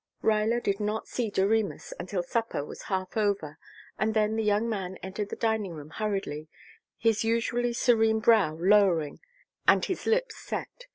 Ruyler did not see Doremus until supper was half over and then the young man entered the dining room hurriedly, his usually serene brow lowering and his lips set.